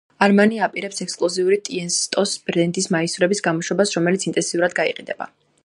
არმანი აპირებს ექსკლუზიური ტიესტოს ბრენდის მაისურის გამოშვებას, რომელიც ინტენსიურად გაიყიდება.